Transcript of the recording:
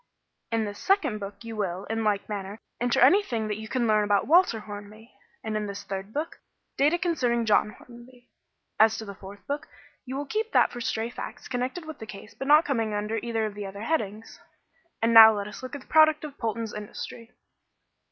"In this second book you will, in like manner, enter anything that you can learn about Walter Hornby, and, in the third book, data concerning John Hornby. As to the fourth book, you will keep that for stray facts connected with the case but not coming under either of the other headings. And now let us look at the product of Polton's industry."